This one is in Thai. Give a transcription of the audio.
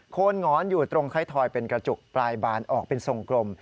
คนหงอนอยู่ตรงไทยทอยเป็นกระจุกปลายบานออกเป็นทรงกลม